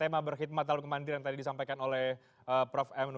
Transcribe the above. kembali ke tema berkhidmat dalam kemandiran tadi disampaikan oleh prof m